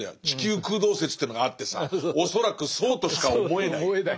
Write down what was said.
地球空洞説というのがあってさ恐らくそうとしか思えない」。